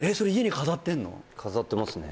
飾ってますね